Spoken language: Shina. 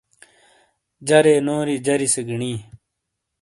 جَرے نوری جَری سے گِنی۔